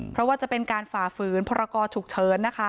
เพราะว่าจะเป็นการฝ่าฝืนพรกรฉุกเฉินนะคะ